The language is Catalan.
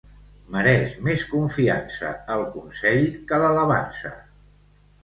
Mereix més confiança el consell que l'alabança.